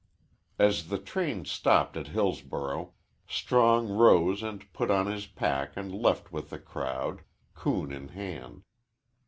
As the train stopped at Hillsborough, Strong rose and put on his pack and left with the crowd, coon in hand.